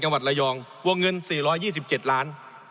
จังหวัดระยองวงเงินสี่ร้อยยี่สิบเจ็ดล้าน